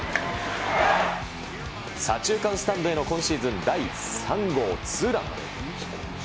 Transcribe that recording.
左中間スタンドへの今シーズン第３号ツーラン。